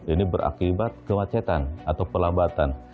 ini berakibat kemacetan atau pelambatan